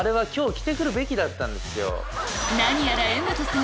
何やら柄本さん